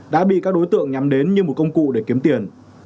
đã bị các đối tượng nhắm đến như một công cụ để kiếm tiền